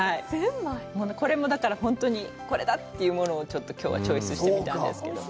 これも、だから、本当にこれだっていうものをちょっときょうはチョイスしてみたんですけど。